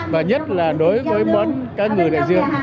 và nhất là đối với các người đại dương